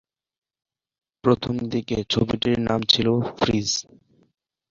প্রথম দিকে ছবিটির নাম ছিল "ফ্রিজ"।